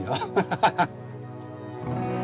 ハハハハ！